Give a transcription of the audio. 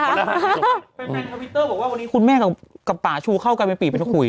แฟนทวิตเตอร์บอกว่าวันนี้คุณแม่กับป่าชูเข้ากันเป็นปีไปคุย